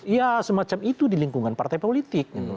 ya semacam itu di lingkungan partai politik